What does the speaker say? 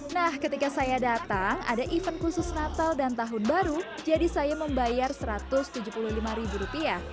nah ketika saya datang ada event khusus natal dan tahun baru jadi saya membayar rp satu ratus tujuh puluh lima